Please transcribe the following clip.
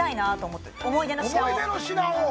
思い出の品を。